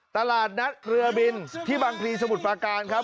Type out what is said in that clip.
ตลาดนัดเรือบินที่บางพลีสมุทรปราการครับ